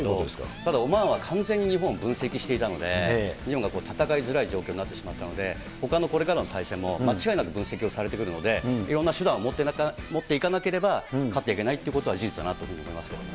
ただ、オマーンは完全に日本分析していたので、日本が戦いづらい状況になってしまったので、ほかのこれからの対戦も間違いなく分析をされてくるので、いろんな手段を持っていかなければ、勝っていけないっていうことは事実だなと思いますけどね。